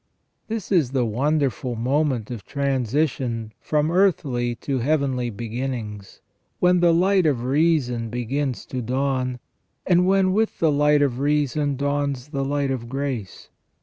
This is the wonderful moment of transition from earthly to heavenly beginnings, when the light of reason begins to dawn, and when with the light of reason dawns the light of grace.